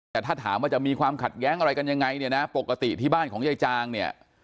แต่ถ้าถามว่าจะมีความขัดแย้งอะไรกันยังไงเนี่ยนะปกติที่บ้านของยายจางเนี่ย